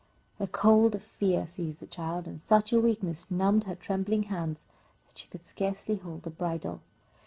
A cold fear seized the child, and such a weakness numbed her trembling hands that she could scarcely hold the bridle.